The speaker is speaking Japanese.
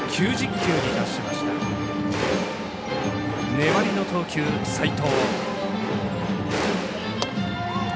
粘りの投球、齋藤。